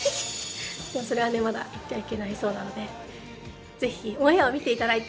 でもそれはねまだ言ってはいけないそうなのでぜひオンエアを見て頂いて。